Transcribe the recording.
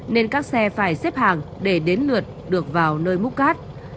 nên các xe phải xếp hàng để đến lượt được vào nơi múc cát